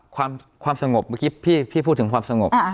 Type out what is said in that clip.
ความสงบเมื่อกี้พี่พูดถึงความสงบ